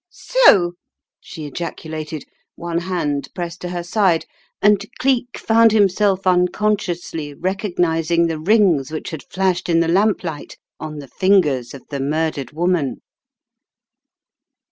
"So," she ejaculated, one hand pressed to her side, and Cleek found himself unconsciously recognizing the rings which had flashed in the lamplight on the fingers of the murdered woman.